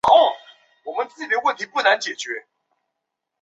留校担任理学部物理学科助手。